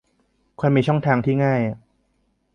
ควรมีช่องทางที่ง่าย